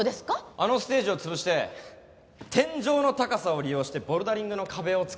あのステージを潰して天井の高さを利用してボルダリングの壁を作ります。